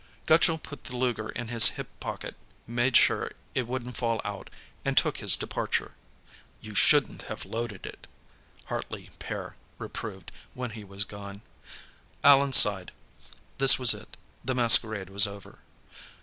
Gutchall put the Luger in his hip pocket, made sure it wouldn't fall out, and took his departure. "You shouldn't have loaded it," Hartley père reproved, when he was gone. Allan sighed. This was it; the masquerade was over.